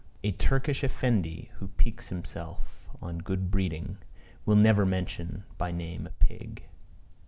A Turkish Effendi, who piques himself on good breeding, will never mention by name a pig.